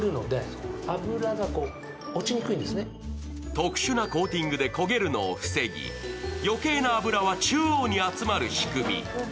特殊なコーティングで焦げるのを防ぎ、余計な油は中央に集まる仕組み。